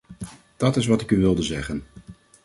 Dat is wat ik u wilde zeggen.